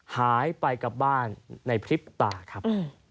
หายไปกับบ้านในพริบตาครับ